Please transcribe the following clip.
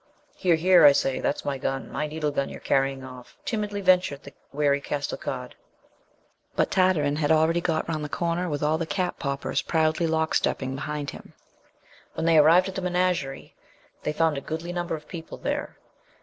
"Here, here, I say! that's my gun my needle gun you are carrying off," timidly ventured the wary Costecalde; but Tartarin had already got round the corner, with all the cap poppers proudly lock stepping behind him. When they arrived at the menagerie, they found a goodly number of people there.